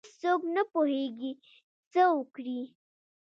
هیڅ څوک نه پوهیږي څه وکړي.